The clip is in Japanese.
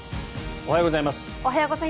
おはようございます。